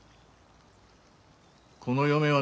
この嫁はね